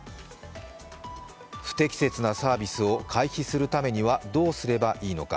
不適切なサービスを回避するためにはどうすればいいのか。